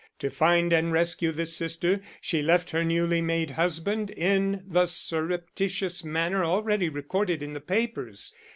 To find and rescue this sister she left her newly made husband in the surreptitious manner already recorded in the papers.